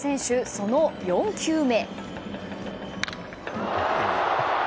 その４球目。